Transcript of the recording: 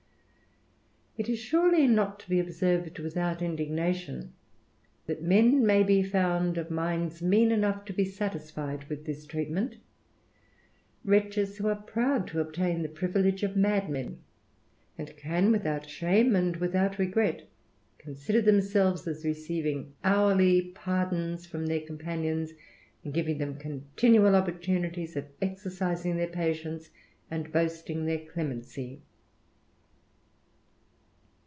It is surely not to be observed without indignation that men may be found of minds mean enough to be satisfied with this treatment ; wretches who are proud to obtain the privilege of madmen, and can, without shame, and without regret, consider themselves as receiving hourly pardons irom their companions, and giving them continual opportunities of exercising their patience, and boasting their clemency.